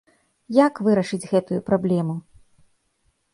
Як вырашыць гэтую праблему?